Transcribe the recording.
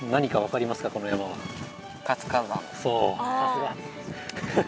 さすが！